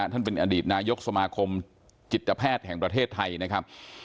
ท่านเป็นอดีตนายกสมาคมจิตแพทย์แห่งประเทศไทยนะครับ